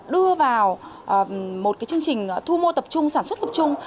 đưa vào một chương trình thu mua tập trung sản xuất tập trung